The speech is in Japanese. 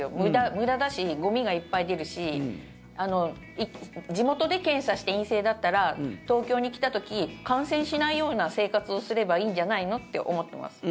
無駄だしゴミがいっぱい出るし地元で検査して陰性だったら東京に来た時感染しないような生活をすればいいんじゃないのと思ってます。